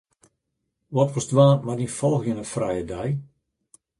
Wat wolst dwaan mei dyn folgjende frije dei?